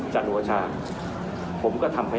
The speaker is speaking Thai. ผมจึงจำเป็นที่ต้องตัดสินใจ